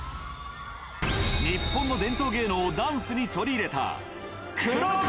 日本の伝統芸能をダンスに取り入れた、ＫＵＲＯＫＯ。